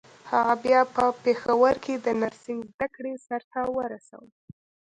هغه بيا په پېښور کې د نرسنګ زدکړې سرته ورسولې.